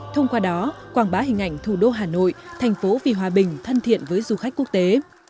thông qua đó quảng bá hình ảnh thủ đô hà nội thành phố vì hòa bình thân thiện với du khách quốc tế